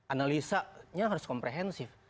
analisanya harus komprehensif